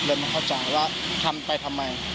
เริ่มเข้าใจว่าทำไปทำไม